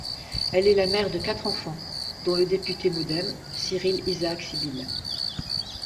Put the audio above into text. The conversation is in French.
Elle est la mère de quatre enfants, dont le député MoDem Cyrille Isaac-Sibille.